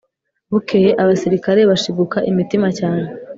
Bukeye abasirikare bashiguka imitima cyane